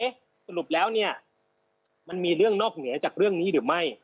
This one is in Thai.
สรุปแล้วเนี่ยมันมีเรื่องนอกเหนือจากเรื่องนี้หรือไม่